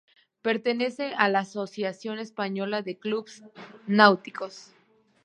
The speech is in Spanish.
Pertenece a la Asociación Española de Clubes Náuticos.